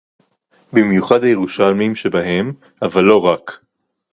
במיוחד הירושלמים שבהם, אבל לא רק